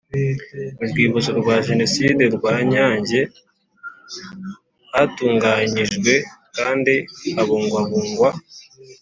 Mu rwibutso rwa Jenoside rwa Nyange hatunganijwe kandi habungwabungwa